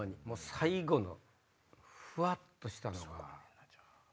最後のふわっとしたのが。